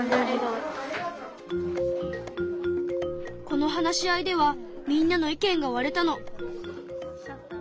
この話し合いではみんなの意見がわれたの。